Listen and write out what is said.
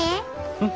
うん？